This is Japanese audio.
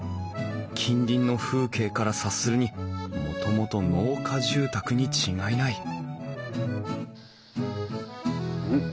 近隣の風景から察するにもともと農家住宅に違いないん？